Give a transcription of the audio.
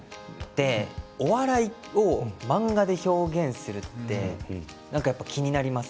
お笑いを漫画で表現するって気になります。